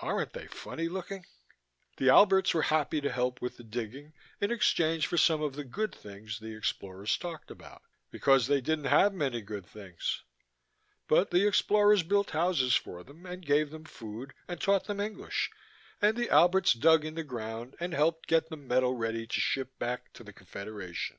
Aren't they funny looking? The Alberts were happy to help with the digging in exchange for some of the good things the explorers talked about, because they didn't have many good things. But the explorers built houses for them and gave them food and taught them English, and the Alberts dug in the ground and helped get the metal ready to ship back to the Confederation.